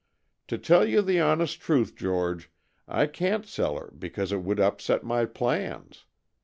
"To tell you the honest truth, George, I can't sell her because it would upset my plans.